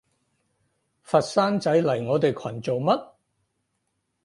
佛山仔嚟我哋群做乜？